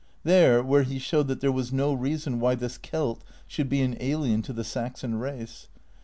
There, where he showed that there was no reason why this Celt should be an alien to the Saxon race.